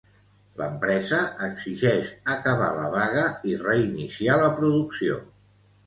L'empresa exigeix acabar la vaga i reiniciar la producció.